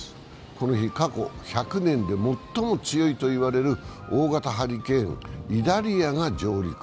この日、過去１００年で最も強いといわれる大型ハリケーン・イダリアが上陸。